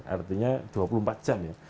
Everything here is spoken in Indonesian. artinya dua puluh empat jam ya